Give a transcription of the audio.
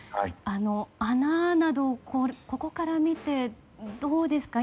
穴などここから見てどうですか。